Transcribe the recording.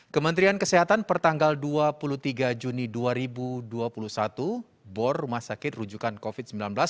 kementerian kesehatan pertanggal dua puluh tiga juni dua ribu dua puluh satu bor rumah sakit rujukan covid sembilan belas